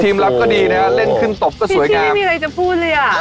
ทีมรับก็ดีนะฮะเล่นขึ้นตบก็สวยกันพิชชี่ไม่มีอะไรจะพูดเลยอ่ะ